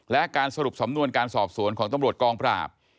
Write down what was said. และการสรุปสำนวนการสอบสวนของตำรวจกองปราบ